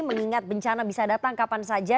mengingat bencana bisa datang kapan saja